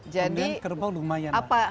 dan kerbau lumayan lah